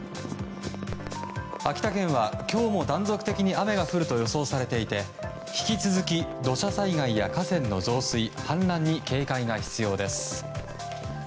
秋田県は、今日も断続的に雨が降ると予想されていて引き続き、土砂災害や河川の増水氾濫に警戒が必要です。